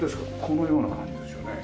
このような感じですよね。